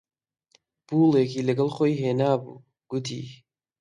پووڵێکی لەگەڵ خۆی هێنابوو، گوتی: